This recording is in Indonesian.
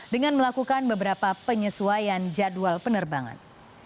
dengan melakukan beberapa penyesuaian jadwal penerbangan